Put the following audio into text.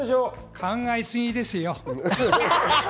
考えすぎですよ。